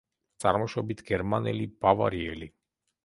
წარმოშობით გერმანელი, ბავარიელი.